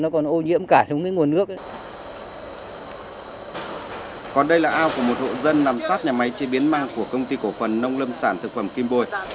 còn đây là ao của một hộ dân nằm sát nhà máy chế biến ma của công ty cổ phần nông lâm sản thực phẩm kim bôi